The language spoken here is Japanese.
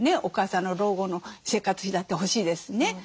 お母さんの老後の生活費だって欲しいですしね。